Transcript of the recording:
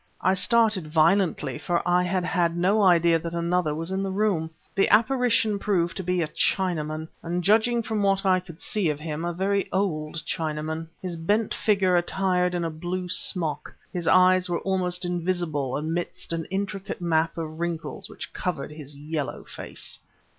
I started violently, for I had had no idea that another was in the room. The apparition proved to be a Chinaman, and judging from what I could see of him, a very old Chinaman, his bent figure attired in a blue smock. His eyes were almost invisible amidst an intricate map of wrinkles which covered his yellow face.